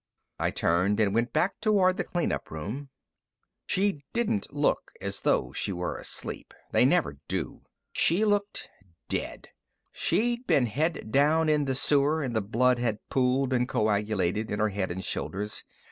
I turned and went back towards the clean up room. She didn't look as though she were asleep. They never do. She looked dead. She'd been head down in the sewer, and the blood had pooled and coagulated in her head and shoulders.